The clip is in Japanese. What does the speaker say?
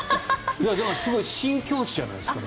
でも、すごい新境地じゃないですか。